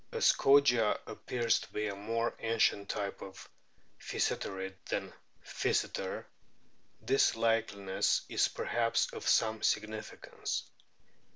As Kogia appears to be a more ancient type of Physeterid than Physeter, this likeness is perhaps of some significance.